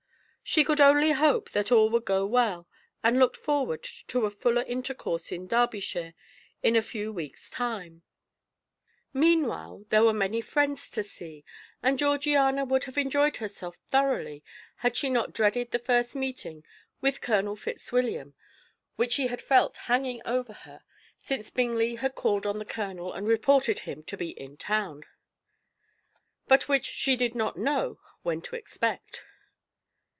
She could only hope that all would go well, and looked forward to a fuller intercourse in Derbyshire in a few weeks' time. Meanwhile, there were many friends to see, and Georgiana would have enjoyed herself thoroughly had she not dreaded the first meeting with Colonel Fitzwilliam, which she felt hanging over her, since Bingley had called on the Colonel and reported him to be in town, but which she did not know when to expect.